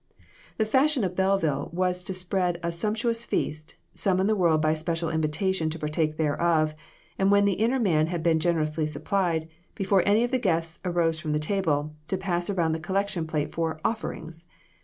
The fashion of Belleville was to spread a sumpt uous feast, summon the world by special invita tion to partake thereof, and when the inner man had been generously supplied, before any of the guests arose from the table, to pass around the collection plate for "offerings."